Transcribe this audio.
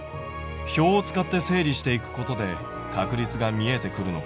表を使って整理していくことで確率が見えてくるのかな？